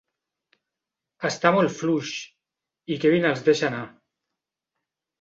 Està molt fluix, i Kevin els deixa anar...